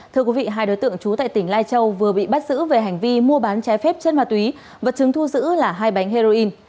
thưa quý vị hai đối tượng trú tại tỉnh lai châu vừa bị bắt giữ về hành vi mua bán trái phép chất ma túy vật chứng thu giữ là hai bánh heroin